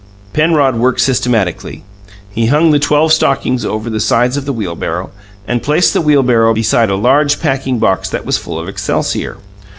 Penrod worked systematically; he hung the twelve stockings over the sides of the wheelbarrow, and placed the wheelbarrow beside a large packing box that was half full of excelsior.